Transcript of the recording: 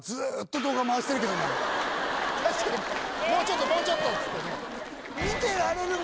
確かにもうちょっともうちょっとって言ってね。